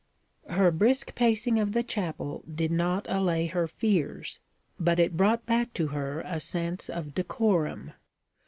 Her brisk pacing of the chapel did not allay her fears, but it brought back to her a sense of decorum.